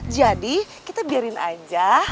jadi kita biarin aja